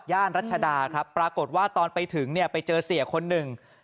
ย่านรัชดาปรากฏว่าตอนไปถึงไปเจอเสียคนหนึ่ง